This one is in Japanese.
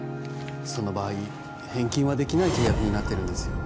その場合返金はできない契約になってるんですよ